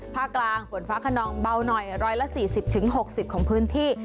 ภาคกลางฝนฟ้าขนองเบาหน่อยร้อยละสี่สิบถึงหกสิบของพื้นที่